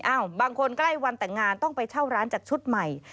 บางคนใกล้วันแต่งงานต้องไปเช่าร้านจากชุดใหม่